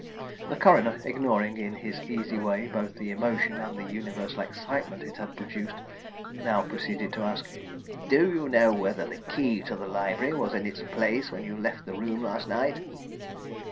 The coroner, ignoring in his easy way both the emotion and the universal excitement it had produced, now proceeded to ask: "Do you know whether the key to the library was in its place when you left the room last night?"